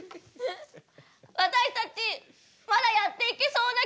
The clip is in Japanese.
私たちまだやっていけそうな気がする。